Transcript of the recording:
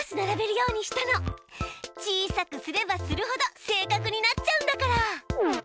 小さくすればするほど正確になっちゃうんだから。